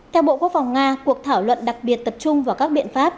theo bộ quốc phòng nga cuộc thảo luận đặc biệt tập trung vào các biện pháp